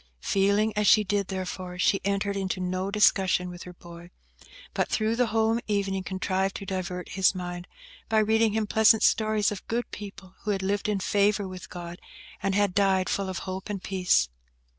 Feeling as she did, therefore, she entered into no discussion with her boy, but through the home evening contrived to divert his mind, by reading him pleasant stories of good people who had lived in favour with God, and had died full of hope and peace.